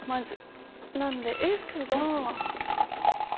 なんでＦが。